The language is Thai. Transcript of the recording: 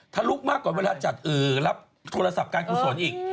ทะลุมากกว่าเวลาจัดรับโทรศัพท์การกุศลอีก